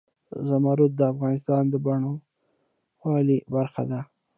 زمرد د افغانستان د بڼوالۍ برخه ده.